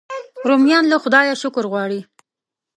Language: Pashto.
رومیان له خدایه شکر غواړي